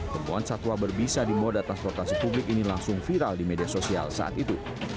temuan satwa berbisa di moda transportasi publik ini langsung viral di media sosial saat itu